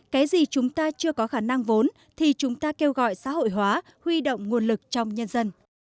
cái gì chúng ta chưa có khả năng vốn thì chúng ta kêu gọi xã hội hóa huy động nguồn lực trong nhân dân